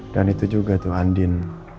dan itu juga tuh andin